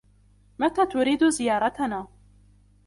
متى تريد زيارتنا؟